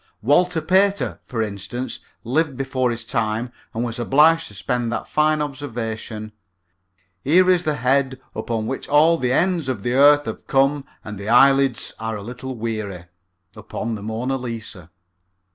Walter Pater, for instance, lived before his time and was obliged to spend that fine observation, "Here is the head upon which all the ends of the earth have come and the eyelids are a little weary" upon the Mona Lisa.